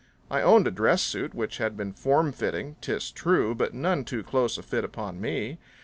I owned a dress suit which had been form fitting, 'tis true, but none too close a fit upon me.